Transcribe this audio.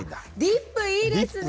ディップいいですね。